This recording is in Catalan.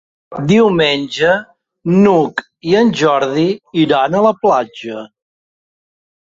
Diumenge n'Hug i en Jordi iran a la platja.